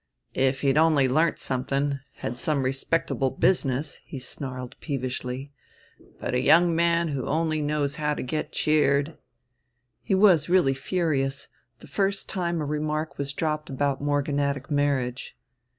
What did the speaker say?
"If he'd only learnt something, had some respectable business," he snarled peevishly. "But a young man who only knows how to get cheered ..." He was really furious, the first time a remark was dropped about morganatic marriage.